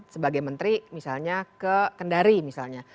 sebagai menteri misalnya ke kendari misalnya